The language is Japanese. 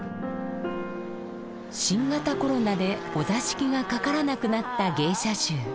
新型コロナでお座敷がかからなくなった芸者衆。